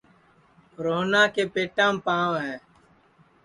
روہنا کے پیتام پانٚؤ ہے